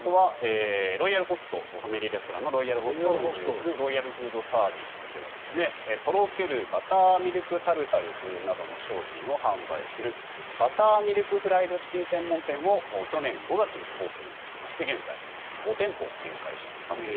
あとはファミリーレストランのロイヤルホストを運営するロイヤルフードサービスではとろけるバターミルクタルタルなどの商品を販売するバターミルクフライドチキン専門店を去年５月にオープンさせまして現在、５店舗を展開しています。